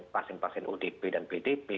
pasien pasien odp dan pdp